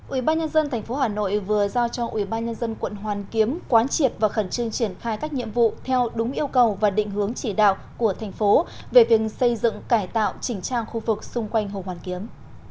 ủy ban nhân dân tp hà nội vừa giao cho ủy ban nhân dân quận hoàn kiếm quán triệt và khẩn trương triển khai các nhiệm vụ theo đúng yêu cầu và định hướng chỉ đạo của thành phố về việc xây dựng cải tạo chỉnh trang khu vực xung quanh hồ hoàn kiếm